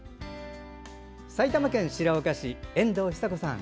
埼玉県白岡市遠藤比佐子さん。